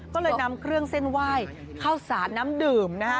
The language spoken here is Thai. ก็เลยนำเครื่องเส้นไหว้ข้าวสารน้ำดื่มนะฮะ